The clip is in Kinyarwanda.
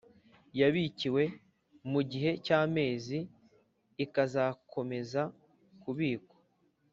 Yabikiwe mu gihe cy amezi ikazakomeza kubikwa